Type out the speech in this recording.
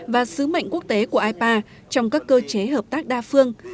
và sứ mệnh quốc tế của ipa trong các cơ chế hợp tác đa phương